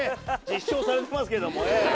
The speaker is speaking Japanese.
実証されてますけどもね。